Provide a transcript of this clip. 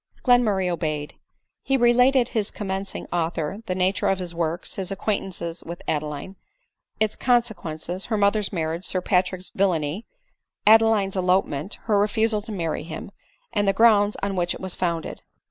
Glenmurray obeyed. He related his commencing author — the nature of his works — his acquaintance with Adeline — its consequences — her mother's marriage — Sir Patrick's villany — Adeline's elopement, her refusal to marry him, and the grounds on which it was founded.